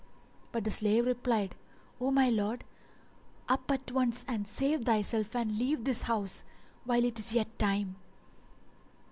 But the slave replied, "O my lord, up at once and save thyself and leave this house, while it is yet time."